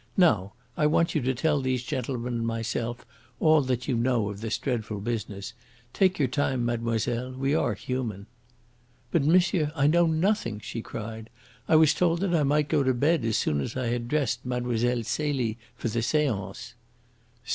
"Now, I want you to tell these gentlemen and myself all that you know of this dreadful business. Take your time, mademoiselle! We are human." "But, monsieur, I know nothing," she cried. "I was told that I might go to bed as soon as I had dressed Mlle. Celie for the seance."